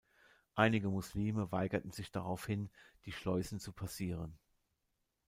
Einige Muslime weigerten sich daraufhin, die Schleusen zu passieren.